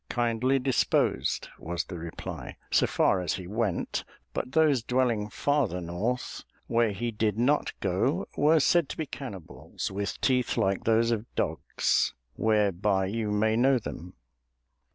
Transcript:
"Kindly disposed," was the reply, "so far as he went, but those dwelling farther north, where he did not go, were said to be cannibals with teeth like those of dogs, whereby you may know them."